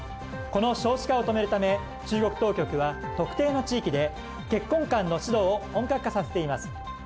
この少子化を止めるため中国当局は特定の地域で結婚観の指導を本格化させています。